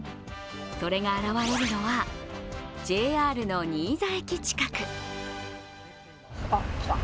それが現れるのはＪＲの新座駅近く。